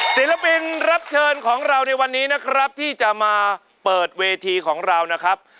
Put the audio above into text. ศิลปินรับเชิญของเราในวันนี้นะครับที่จะมาเปิดเวทีของเรานะครับ